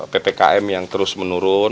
ppkm yang terus menurun